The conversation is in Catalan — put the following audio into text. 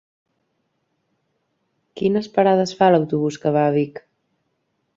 Quines parades fa l'autobús que va a Vic?